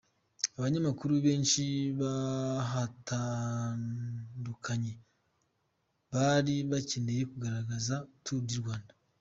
Abanyamakuru benshi b’abahatandukanye bari bakereye kugaragaza Tour du Rwanda.